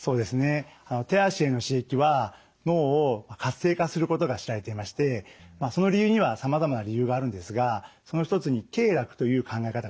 手足への刺激は脳を活性化することが知られていましてその理由にはさまざまな理由があるんですがその一つに経絡という考え方があります。